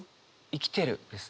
「生きてる」です。